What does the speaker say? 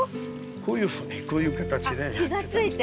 こういうふうにこういう形で。膝ついて？